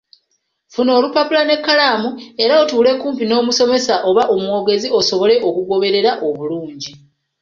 Funa olupapula n’ekkalaamu era otuule kumpi n’omusomesa oba omwogezi osobole okugoberera obulungi. .